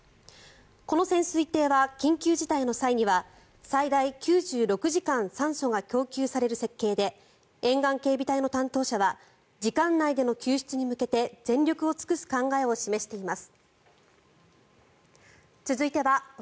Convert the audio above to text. この潜水艦は緊急事態の際には最大９６時間酸素が供給される設計で沿岸警備隊の担当者は時間内での救出に向けて全力を尽くす考えを示しています。